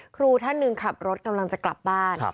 ครูท่านหนึ่งขับรถกำลังจะกลับบ้าน